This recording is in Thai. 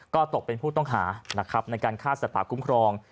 ก็ตกเป็นผู้ต้องหานะครับในการฆ่าสัตว์ป่าคุ้มครอง